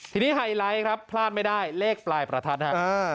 ทีนี้ไฮไลท์ครับพลาดไม่ได้เลขปลายประทัดฮะ